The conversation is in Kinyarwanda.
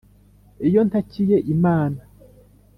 iyo ntakiye imana,